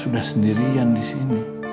sudah sendirian disini